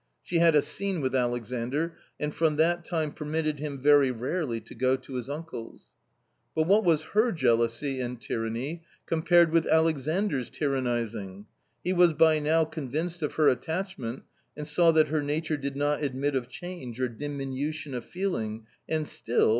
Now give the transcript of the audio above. She had a scene with Alexandr, and from that time permitted him very rarely to go to his uncle's ! But what was her jealousy and tyranny compared with Alexandr's tyrannising ! He was by now convinced of her attachment and saw that her nature did not admit of change or diminution of feeling and still